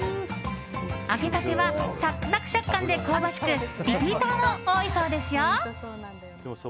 揚げたてはサクサク食感で香ばしくリピーターも多いそうですよ。